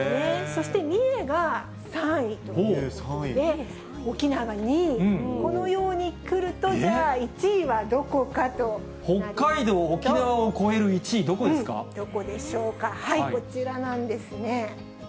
そして、三重が３位ということで、沖縄が２位、このようにくると、じゃあ、北海道、沖縄を超える１位、どこでしょうか、はい、こちらなんですね。